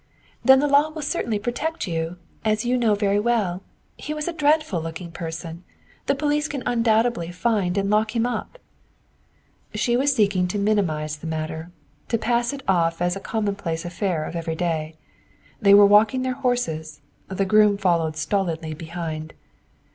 "Then the law will certainly protect you, as you know very well. He was a dreadful looking person. The police can undoubtedly find and lock him up." She was seeking to minimize the matter, to pass it off as a commonplace affair of every day. They were walking their horses; the groom followed stolidly behind.